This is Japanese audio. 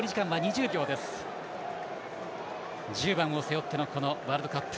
１０番を背負ってのワールドカップ。